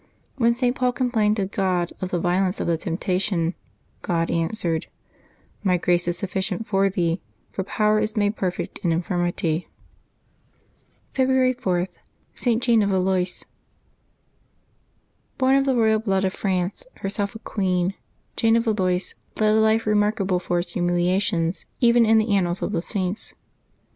When St. Paul complained to God of the violence of the temptation, God answered, '^ My grace is sufficient for thee, for power is made perfect in infirmity.'' 62 LIVES OF THE SAINTS [February 4 February 4.— St, JANE OF VALOIS. ©ORN of the blood royal of France, herself a queen, Jane of Valois led a life remarkable for its humilia tions even in the annals of the Saints.